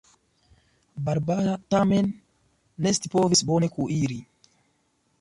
Barbara tamen ne scipovis bone kuiri.